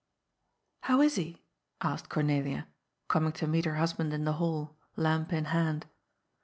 " How is he ?" asked Cornelia, coming to meet her hus band in the hall, lamp in hand.